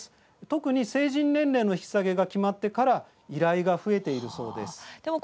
特に成人年齢の引き下げが決まってから依頼が増えているそうです。